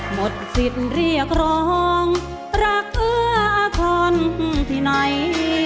หมดสิทธิ์เรียกร้องรักเพื่อคนที่ไหน